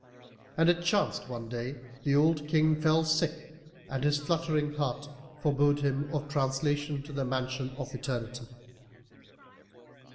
And it chanced that one day the old King fell sick and his fluttering heart forebode him of translation to the Mansion of Eternity.